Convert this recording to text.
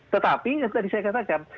tetapi tadi saya katakan